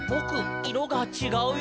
いろがちがうよ」